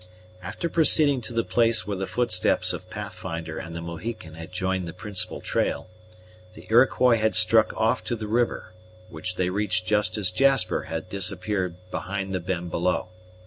After proceeding to the place where the footsteps of Pathfinder and the Mohican had joined the principal trail, the Iroquois had struck off to the river, which they reached just as Jasper had disappeared behind the bend below.